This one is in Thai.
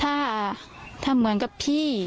ความปลอดภัยของนายอภิรักษ์และครอบครัวด้วยซ้ำ